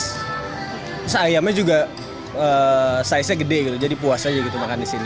terus ayamnya juga size nya gede gitu jadi puas aja gitu makan di sini